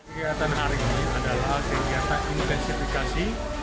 kegiatan hari ini adalah kegiatan intensifikasi